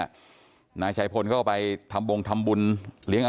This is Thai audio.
ว่านั้นเนี่ยนายชายพลเข้าก็ไปทำวงทำบุญ